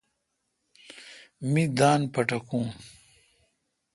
می دان پٹھکون۔